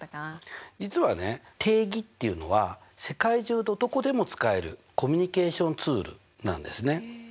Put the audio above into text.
実はね定義っていうのは世界中どこでも使えるコミュニケーションツールなんですね。